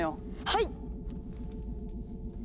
はい！